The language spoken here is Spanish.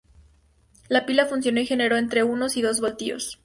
La pila funcionó y generó entre uno y dos voltios.